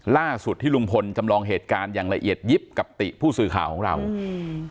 ล่าสุดที่ลุงพลจำลองเหตุการณ์อย่างละเอียดยิบกับติผู้สื่อข่าวของเราอืม